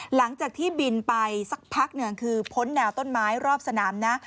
หลังจากที่บินไปสักพักหนึ่งคือพ้นแนวต้นไม้รอบสนามนะ